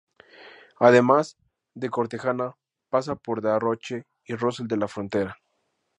Además de Cortegana pasa por de Aroche y Rosal de la Frontera.